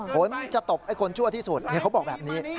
ผลมันจะตบไอ้คนชั่วที่สุดเขาบอกแบบนี้